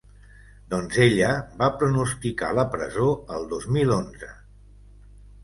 Doncs ella va pronosticar la presó el dos mil onze.